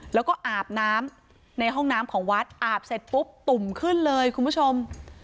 แล้วก็อาบน้ำในห้องน้ำของวัดอาบเสร็จปุ๊บตุ่มขึ้นเลยคุณผู้ชม